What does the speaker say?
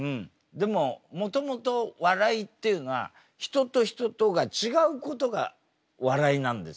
でももともと笑いっていうのは人と人とがちがうことが笑いなんです。